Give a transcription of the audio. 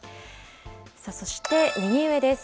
そして、右上です。